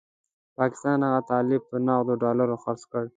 پاکستان هغه طالب په نغدو ډالرو خرڅ کړ.